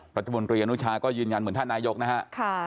ปัจจุบันเตียงหนุชาห์ก็ยืนยันเหมือนท่านนายกนะครับ